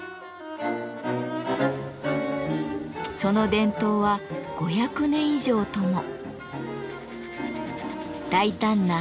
その伝統は５００年以上とも。